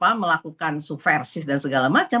dan ini bukan suversis dan segala macam